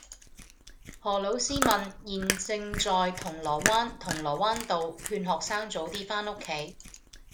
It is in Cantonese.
何老師問現正在銅鑼灣銅鑼灣道勸學生早啲返屋企